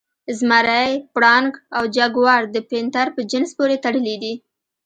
زمری، پړانګ او جګوار د پینتر په جنس پورې تړلي دي.